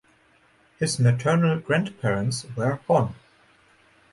His maternal grandparents were Hon.